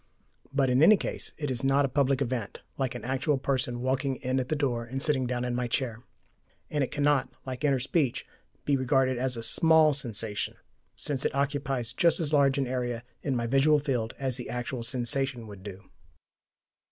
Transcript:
But in any case it is not a public event, like an actual person walking in at the door and sitting down in my chair. And it cannot, like inner speech, be regarded as a SMALL sensation, since it occupies just as large an area in my visual field as the actual sensation would do.